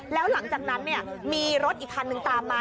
แล้วหลังจากนั้นมีรถอีกคันนึงตามมา